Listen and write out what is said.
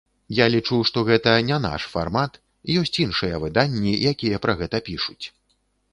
Я лічу, што гэта не наш фармат, ёсць іншыя выданні, якія пра гэта пішуць.